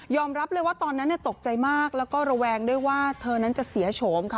รับเลยว่าตอนนั้นตกใจมากแล้วก็ระแวงด้วยว่าเธอนั้นจะเสียโฉมค่ะ